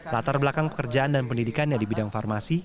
latar belakang pekerjaan dan pendidikannya di bidang farmasi